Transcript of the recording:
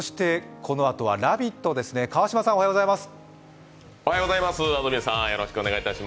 このあとは「ラヴィット！」ですね、川島さんおはようございます。